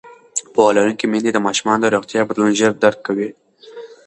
پوهه لرونکې میندې د ماشومانو د روغتیا بدلون ژر درک کوي.